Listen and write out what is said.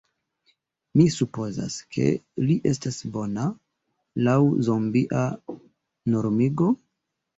Mi supozas ke li estas bona, laŭ zombia... normigo?